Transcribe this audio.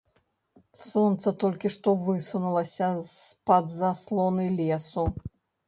Сонца толькі што высунулася з-пад заслоны лесу.